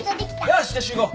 よしじゃ集合。